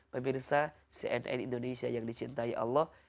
pemirsa cnn indonesia yang dicintai allah